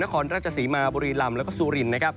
นครราชสีมาบุรีรำและสุริน